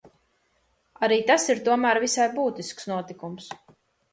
Arī tas ir tomēr visai būtisks notikums.